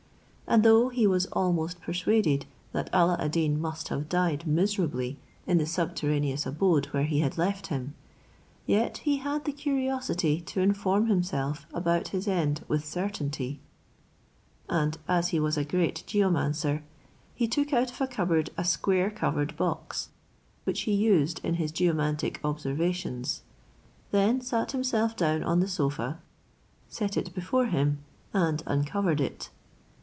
And though he was almost persuaded that Alla ad Deen must have died miserably in the subterraneous abode where he had left him, yet he had the curiosity to inform himself about his end with certainty; and as he was a great geomancer, he took out of a cupboard a square covered box, which he used in his geomantic observations: then sat himself down on the sofa, set it before him, and uncovered it.